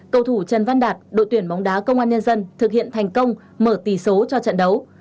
cầu thủ trần văn đạt đội tuyển bóng đá công an nhân dân thực hiện thành công mở tỷ số cho trận đấu